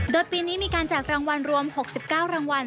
โดยปีนี้มีการแจกรางวัลรวม๖๙รางวัล